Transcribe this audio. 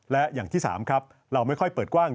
และอย่างที่๓ครับเราไม่ค่อยเปิดกว้าง